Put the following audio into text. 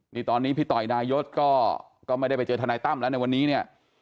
นี่ตอนนี้พี่ต่อยนายศก็ไม่ได้ไปเจอทนายตั้มแล้วในวันนี้เนี่ย